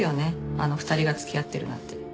あの２人が付き合ってるなんて。